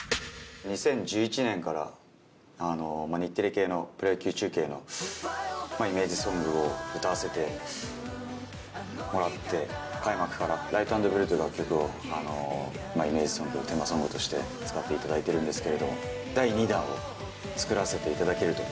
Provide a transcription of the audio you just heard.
２０１１年から日テレ系のプロ野球中継のイメージソングを歌わせてもらって、開幕から、ライトアンドブルーという楽曲を、イメージソング、テーマソングとして使っていただいてるんですけど、第２弾を作らせていただけると。